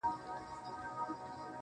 د شپې نيمي كي.